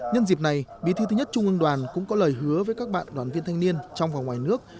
nhân dịp này bí thư thứ nhất trung ương đoàn cũng có lời hứa với các bạn đoàn viên thanh niên trong và ngoài nước